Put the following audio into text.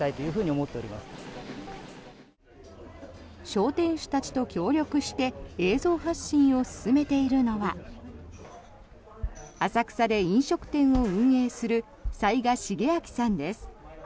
商店主たちと協力して映像発信を進めているのは浅草で飲食店を運営する雑賀重昭さんです。